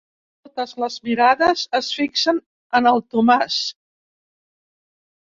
Totes les mirades es fixen en el Tomàs.